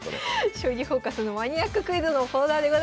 「将棋フォーカス」のマニアッククイズのコーナーでございます。